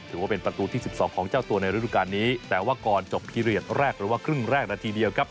ถือว่าเป็นประตูที่๑๒ของเจ้าตัวในฤดูการนี้แต่ว่าก่อนจบพีเรียสแรกหรือว่าครึ่งแรกนาทีเดียวครับ